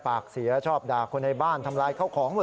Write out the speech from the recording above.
ปากเสียชอบด่าคนในบ้านทำลายข้าวของ